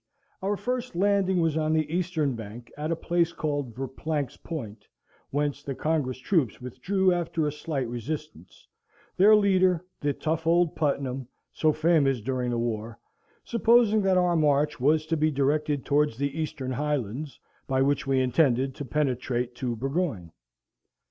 Our first landing was on the Eastern bank, at a place called Verplancks Point, whence the Congress troops withdrew after a slight resistance, their leader, the tough old Putnam (so famous during the war) supposing that our march was to be directed towards the Eastern Highlands, by which we intended to penetrate to Burgoyne.